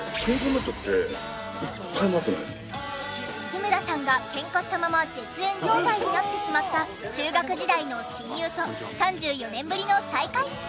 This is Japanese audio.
日村さんがケンカしたまま絶縁状態になってしまった中学時代の親友と３４年ぶりの再会。